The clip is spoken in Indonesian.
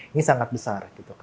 ini sangat besar